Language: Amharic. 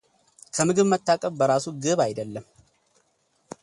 ከምግብ መታቀብ በራሱ ግብ አይደለም።